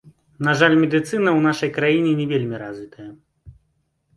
На жаль, медыцына ў нашай краіне не вельмі развітая.